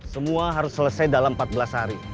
semua harus selesai dalam empat belas hari